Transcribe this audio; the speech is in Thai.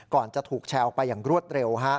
จะถูกแชร์ออกไปอย่างรวดเร็ว